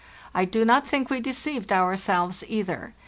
I do not think we deceived ourselves either.